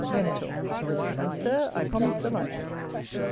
Venator. And, Sir, I promise the like.